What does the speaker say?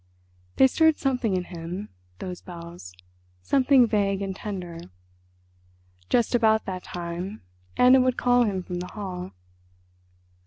They stirred something in him, those bells, something vague and tender. Just about that time Anna would call him from the hall.